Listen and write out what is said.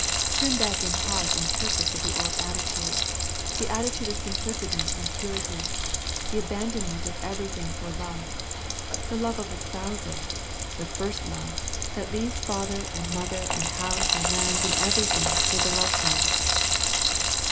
Turn back' in heart and purpose of the old attitude, the attitude The Ephesus Letter 5 1 of simplicity and purity, the abandonment of everything for love, the love of espousal, the first love that leaves father and mother and house and lands and everything for the loved one.